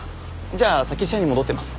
じゃあ先社に戻ってます。